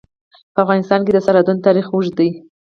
په افغانستان کې د سرحدونه تاریخ اوږد دی.